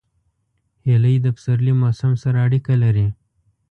هیلۍ د پسرلي موسم سره اړیکه لري